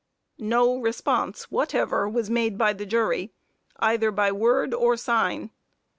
No response whatever was made by the jury, either by word or sign.